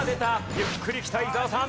ゆっくり来た伊沢さん。